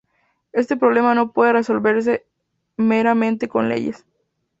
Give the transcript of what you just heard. Este problema no puede resolverse meramente con leyes.